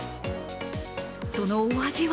そのお味は？